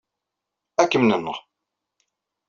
Ad kem-nenɣ.